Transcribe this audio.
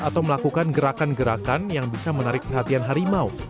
atau melakukan gerakan gerakan yang bisa menarik perhatian harimau